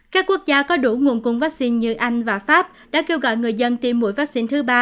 các quốc gia có đủ nguồn cung vaccine như anh và pháp đã kêu gọi người dân tiêm mũi vaccine thứ ba